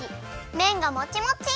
めんがもちもち！